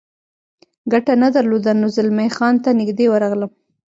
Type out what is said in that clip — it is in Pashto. ګټه نه درلوده، نو زلمی خان ته نږدې ورغلم.